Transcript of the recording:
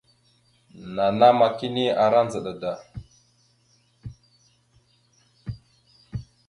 Nanama kini ara ndzəɗa da.